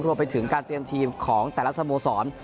รวมไปถึงการเตรียมทีมของแต่ละสโมสร